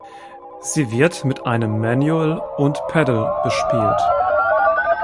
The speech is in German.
Sie wird mit einem Manual und Pedal bespielt.